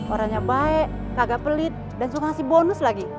orangnya baik kagak pelit dan suka ngasih bonus lagi